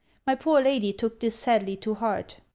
My poor lady took this sadly to heart.